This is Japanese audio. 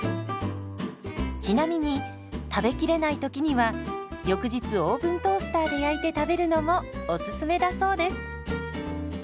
ちなみに食べきれないときには翌日オーブントースターで焼いて食べるのもおすすめだそうです。